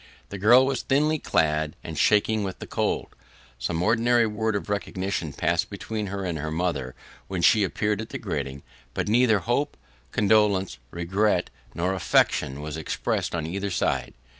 The girl was thinly clad, and shaking with the cold. Some ordinary word of recognition passed between her and her mother when she appeared at the grating, but neither hope, condolence, regret, nor affection was expressed on either side.